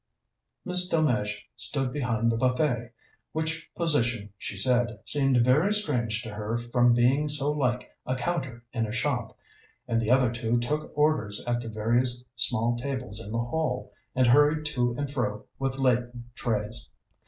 Miss Delmege stood behind the buffet, which position, she said, seemed very strange to her from being so like a counter in a shop, and the other two took orders at the various small tables in the hall, and hurried to and fro with laden trays.